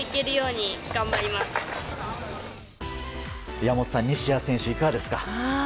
岩本さん、西矢選手いかがですか？